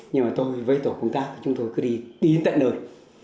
nhưng mà tôi với tổ công tác thì chúng tôi cứ đi đến tận nơi